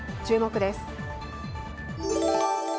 注目です。